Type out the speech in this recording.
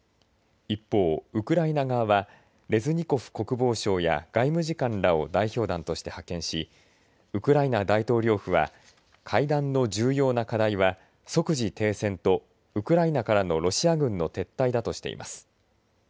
一方、ウクライナ側はレズニコフ国防相や外務次官らを代表団として派遣しウクライナ大統領府は会談の重要な課題は即時停戦とウクライナからのロシア軍の撤退だとしています。